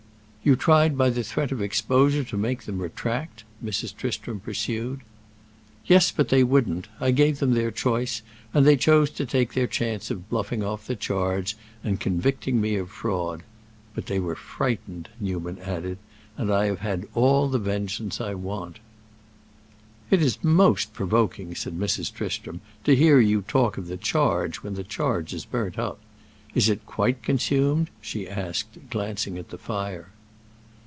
"You tried by the threat of exposure to make them retract?" Mrs. Tristram pursued. "Yes, but they wouldn't. I gave them their choice, and they chose to take their chance of bluffing off the charge and convicting me of fraud. But they were frightened," Newman added, "and I have had all the vengeance I want." "It is most provoking," said Mrs. Tristram, "to hear you talk of the 'charge' when the charge is burnt up. Is it quite consumed?" she asked, glancing at the fire.